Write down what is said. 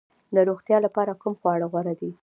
د روغتیا لپاره کوم خواړه غوره دي؟